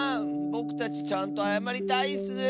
ぼくたちちゃんとあやまりたいッス！